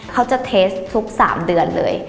เขาจะเทสทุก๓เดือนเลย